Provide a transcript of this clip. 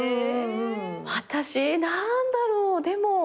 私何だろうでも。